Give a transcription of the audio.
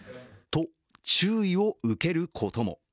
と、注意を受けることも。